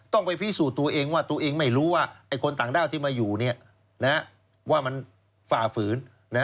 ต้องไปพิสูจน์ตัวเองว่าตัวเองไม่รู้ว่าคนต่างด้าวที่มาอยู่ว่ามันฝ่าฝืน